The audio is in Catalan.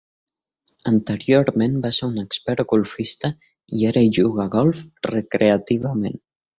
Anteriorment va ser un expert golfista, i ara juga a golf recreativament.